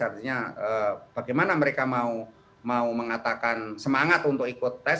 artinya bagaimana mereka mau mengatakan semangat untuk ikut tes